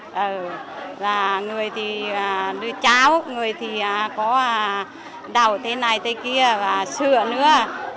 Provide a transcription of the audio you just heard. các bệnh nhân người thì đưa cháo người thì có đảo thế này thế kia và sửa nữa